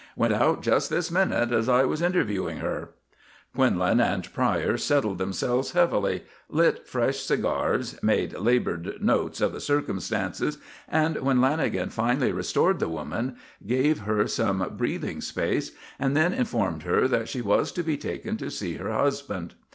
"Went out just this minute as I was interviewing her." Quinlan and Pryor settled themselves heavily, lit fresh cigars, made laboured notes of the circumstances, and, when Lanagan finally restored the woman, gave her some breathing space and then informed her that she was to be taken to see her husband.